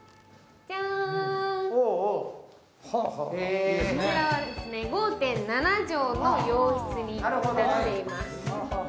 こちらは５．７畳の洋室になっています。